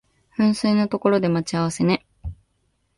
噴水の所で待ち合わせね